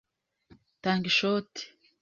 Tanga ishoti.